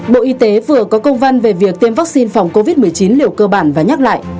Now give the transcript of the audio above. bộ y tế vừa có công văn về việc tiêm vaccine phòng covid một mươi chín liều cơ bản và nhắc lại